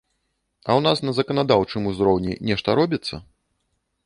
А ў нас на заканадаўчым узроўні нешта робіцца?